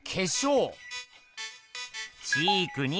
チークに。